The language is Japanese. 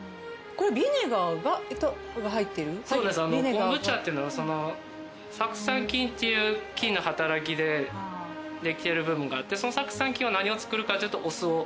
コンブチャっていうのは酢酸菌っていう菌の働きでできてる部分があってその酢酸菌は何を作るかっていうとお酢を。